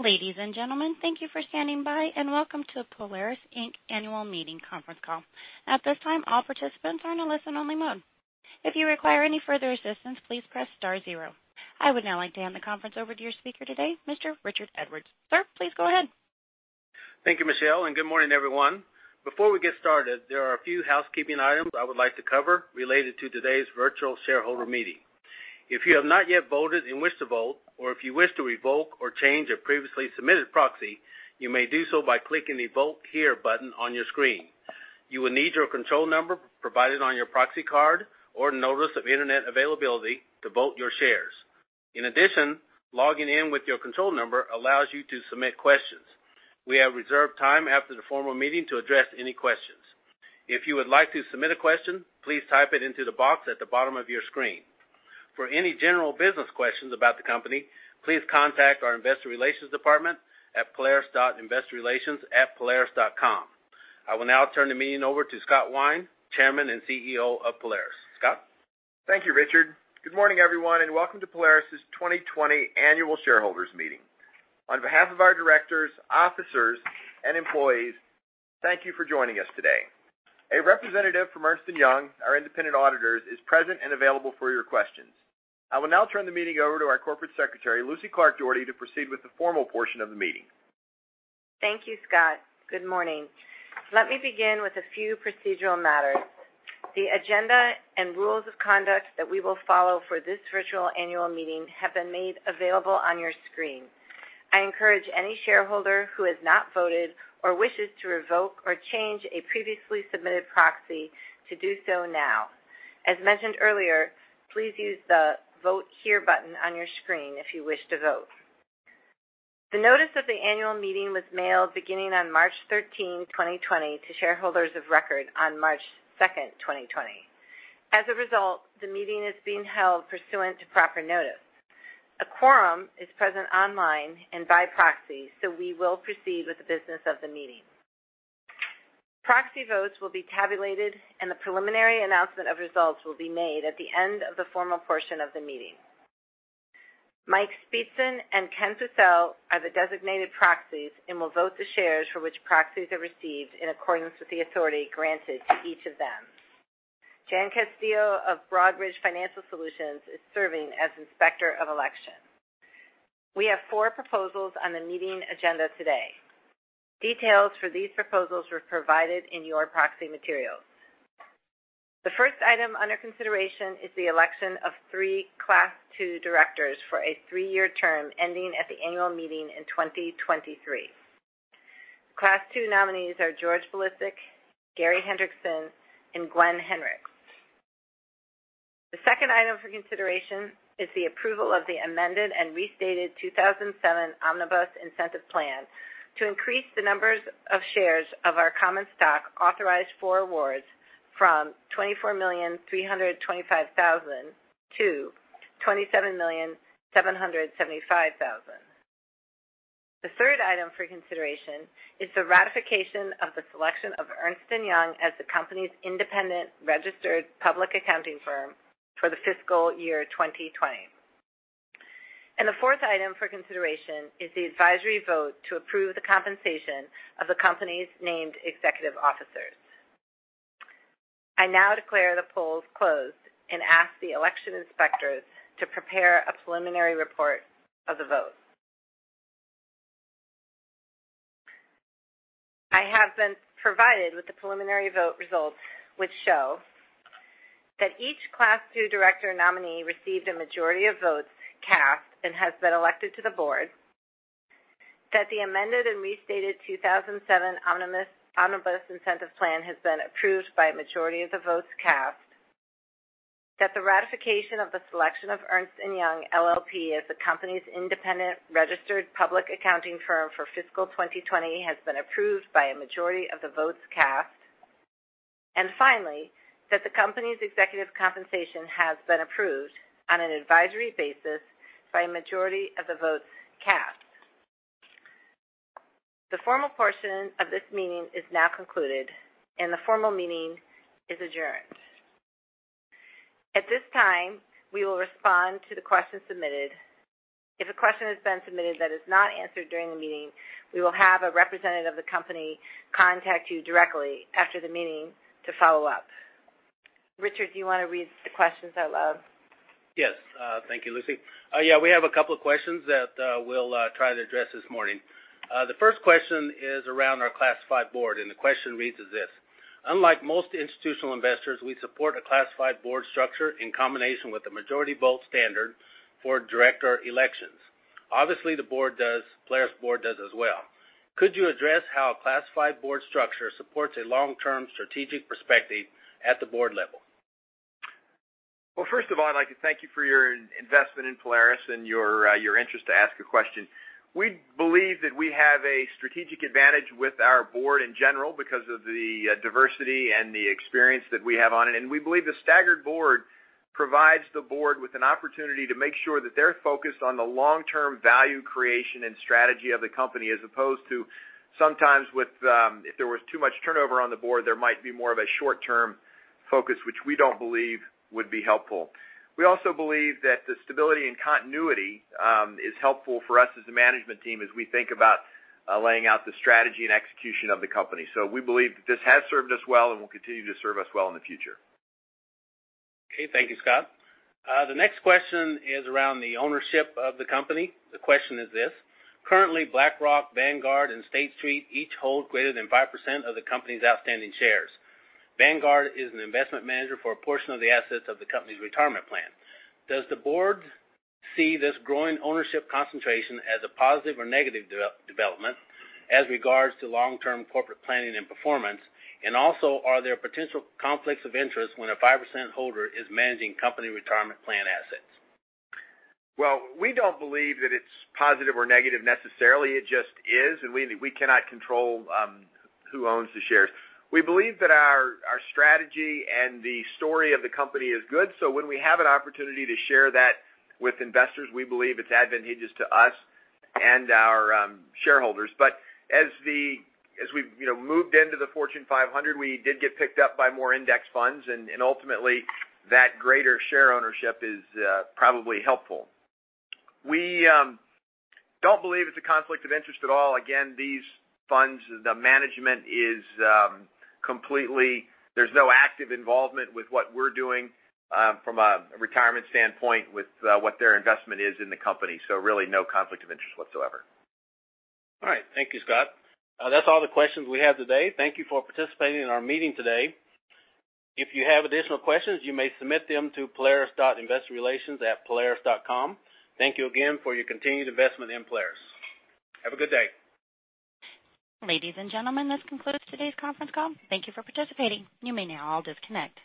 Ladies and gentlemen, thank you for standing by, and welcome to the Polaris Inc. Annual Meeting Conference Call. At this time, all participants are in a listen-only mode. If you require any further assistance, please press star zero. I would now like to hand the conference over to your speaker today, Mr. Richard Edwards. Sir, please go ahead. Thank you, Michelle, and good morning, everyone. Before we get started, there are a few housekeeping items I would like to cover related to today's virtual shareholder meeting. If you have not yet voted and wish to vote, or if you wish to revoke or change a previously submitted proxy, you may do so by clicking the Vote Here button on your screen. You will need your control number provided on your proxy card or notice of internet availability to vote your shares. In addition, logging in with your control number allows you to submit questions. We have reserved time after the formal meeting to address any questions. If you would like to submit a question, please type it into the box at the bottom of your screen. For any general business questions about the company, please contact our investor relations department at polaris.investorrelations@polaris.com. I will now turn the meeting over to Scott Wine, Chairman and CEO of Polaris. Scott? Thank you, Richard. Good morning, everyone, and welcome to Polaris' 2020 Annual Shareholders Meeting. On behalf of our directors, officers, and employees, thank you for joining us today. A representative from Ernst & Young, our independent auditors, is present and available for your questions. I will now turn the meeting over to our Corporate Secretary, Lucy Clark Dougherty, to proceed with the formal portion of the meeting. Thank you, Scott. Good morning. Let me begin with a few procedural matters. The agenda and rules of conduct that we will follow for this virtual annual meeting have been made available on your screen. I encourage any shareholder who has not voted or wishes to revoke or change a previously submitted proxy to do so now. As mentioned earlier, please use the Vote Here button on your screen if you wish to vote. The notice of the annual meeting was mailed beginning on March 13, 2020, to shareholders of record on March 2nd, 2020. As a result, the meeting is being held pursuant to proper notice. A quorum is present online and by proxy, so we will proceed with the business of the meeting. Proxy votes will be tabulated, and the preliminary announcement of results will be made at the end of the formal portion of the meeting. Mike Speetzen and Ken Pucel are the designated proxies and will vote the shares for which proxies are received in accordance with the authority granted to each of them. Jan Castillo of Broadridge Financial Solutions is serving as Inspector of Election. We have four proposals on the meeting agenda today. Details for these proposals were provided in your proxy materials. The first item under consideration is the election of three Class II directors for a three-year term ending at the annual meeting in 2023. Class II nominees are George Bilicic, Gary Hendrickson, and Gwenne Henricks. The second item for consideration is the approval of the amended and restated 2007 Omnibus Incentive Plan to increase the numbers of shares of our common stock authorized for awards from 24,325,000 to 27,775,000. The third item for consideration is the ratification of the selection of Ernst & Young as the company's independent registered public accounting firm for the fiscal year 2020. The fourth item for consideration is the advisory vote to approve the compensation of the company's named executive officers. I now declare the polls closed and ask the Election Inspectors to prepare a preliminary report of the vote. I have been provided with the preliminary vote results, which show that each Class II director nominee received a majority of votes cast and has been elected to the board, that the amended and restated 2007 Omnibus Incentive Plan has been approved by a majority of the votes cast, that the ratification of the selection of Ernst & Young LLP, as the company's independent registered public accounting firm for fiscal 2020 has been approved by a majority of the votes cast, and finally, that the company's executive compensation has been approved on an advisory basis by a majority of the votes cast. The formal portion of this meeting is now concluded, and the formal meeting is adjourned. At this time, we will respond to the questions submitted. If a question has been submitted that is not answered during the meeting, we will have a representative of the company contact you directly after the meeting to follow up. Richard, do you want to read the questions out loud? Yes. Thank you, Lucy. Yeah, we have a couple of questions that we'll try to address this morning. The first question is around our classified board, and the question reads as this: Unlike most institutional investors, we support a classified board structure in combination with a majority vote standard for director elections. Obviously, the Polaris board does as well. Could you address how a classified board structure supports a long-term strategic perspective at the board level? Well, first of all, I'd like to thank you for your investment in Polaris and your interest to ask a question. We believe that we have a strategic advantage with our board in general because of the diversity and the experience that we have on it, and we believe the staggered board provides the board with an opportunity to make sure that they're focused on the long-term value creation and strategy of the company, as opposed to, sometimes if there was too much turnover on the board, there might be more of a short-term focus, which we don't believe would be helpful. We also believe that the stability and continuity is helpful for us as a management team as we think about laying out the strategy and execution of the company. We believe that this has served us well and will continue to serve us well in the future. Okay. Thank you, Scott. The next question is around the ownership of the company. The question is this: currently, BlackRock, Vanguard, and State Street each hold greater than 5% of the company's outstanding shares. Vanguard is an investment manager for a portion of the assets of the company's retirement plan. Does the board see this growing ownership concentration as a positive or negative development as regards to long-term corporate planning and performance? Are there potential conflicts of interest when a 5% holder is managing company retirement plan assets? Well, we don't believe that it's positive or negative necessarily. It just is, and we cannot control who owns the shares. We believe that our strategy and the story of the company is good, so when we have an opportunity to share that with investors, we believe it's advantageous to us and our shareholders. As we've moved into the Fortune 500, we did get picked up by more index funds, and ultimately, that greater share ownership is probably helpful. We don't believe it's a conflict of interest at all. Again, these funds, there's no active involvement with what we're doing from a retirement standpoint with what their investment is in the company. Really, no conflict of interest whatsoever. All right. Thank you, Scott. That's all the questions we have today. Thank you for participating in our meeting today. If you have additional questions, you may submit them to polaris.investorrelations@polaris.com. Thank you again for your continued investment in Polaris. Have a good day. Ladies and gentlemen, this concludes today's conference call. Thank you for participating. You may now all disconnect.